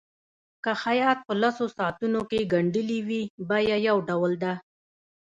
که خیاط په لسو ساعتونو کې ګنډلي وي بیه یو ډول ده.